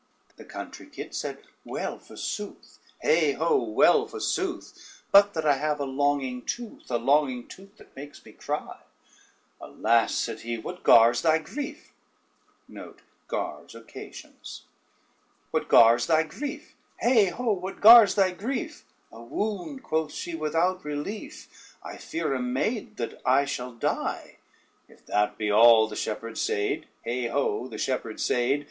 The country kit said: "Well, forsooth, heigh ho, well forsooth! But that I have a longing tooth, a longing tooth that makes me cry." "Alas!" said he, "what gars thy grief? heigh ho, what gars thy grief?" "A wound," quoth she, "without relief, I fear a maid that I shall die." "If that be all," the shepherd said, heigh ho, the shepherd said!